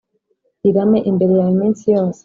irame imbere yawe iminsi yose